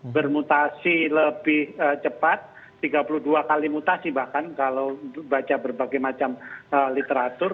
bermutasi lebih cepat tiga puluh dua kali mutasi bahkan kalau baca berbagai macam literatur